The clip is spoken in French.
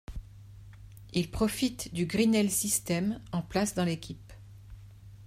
Il profite du Grinnell System en place dans l'équipe.